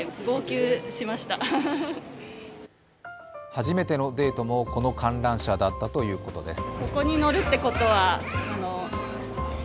初めてのデートもこの観覧車だったということです。